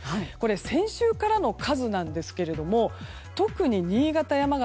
先週からの数ですが特に新潟、山形